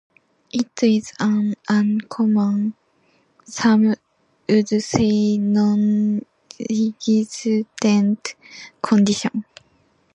It is an uncommon, some would say nonexistent, condition.